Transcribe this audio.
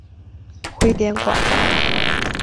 徽典馆的。